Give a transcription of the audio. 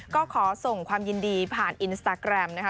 ก็ขอส่งความยินดีผ่านอินสตาแกรมนะคะ